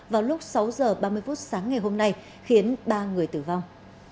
vào lúc sáu h ba mươi phút sáng ngày hôm nay khiến ba người tử vong